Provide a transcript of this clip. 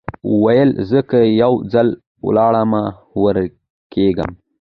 ویل زه که یو ځل ولاړمه ورکېږم